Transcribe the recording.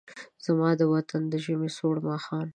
زما د وطن د ژمې سوړ ماښام